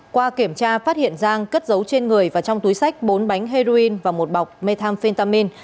qua kiểm tra phát hiện giang cất dấu trên người và trong túi sách bốn bánh heroin và một bọc methamphetamin